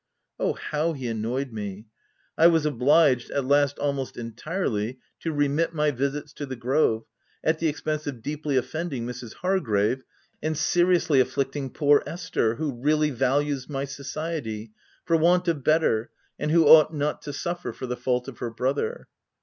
Oh, how he an noyed me ! I was obliged, at last almost en tirely to remit my visits to the Grove, at the expence of deeply offending Mrs. Hargrave and seriously afflicting poor Esther, who really values my society — for want of better, and who ought not to suffer for the fault of her brother.